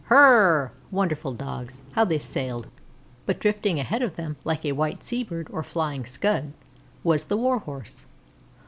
"Hrrrrr!" wonderful Dogs! how they sailed; but drifting ahead of them, like a white sea bird or flying scud, was the Warhorse.